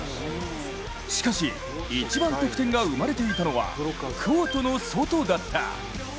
しかし、一番得点が生まれていたのはコートの外だった。